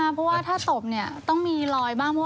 ตบเขาหยิกตัวเองอย่างเงี้ยเหรอ